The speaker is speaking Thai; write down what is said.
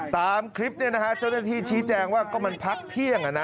ตามคลิปเจ้าหน้าที่ชี้แจงว่าก็มันพักเที่ยง